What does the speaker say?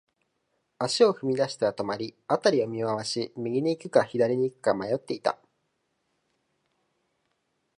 足を踏み出しては止まり、辺りを見回し、右に行くか、左に行くか迷っていた。